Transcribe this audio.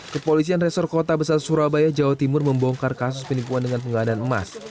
kepolisian resor kota besar surabaya jawa timur membongkar kasus penipuan dengan penggandaan emas